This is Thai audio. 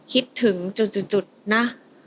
คิดถึงนะ